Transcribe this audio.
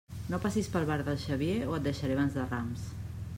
No passis pel bar del Xavier o et deixaré abans de Rams.